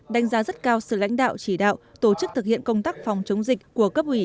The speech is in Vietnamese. đánh giá rất cao sự lãnh đạo chỉ đạo tổ chức thực hiện công tác phòng chống dịch của cấp ủy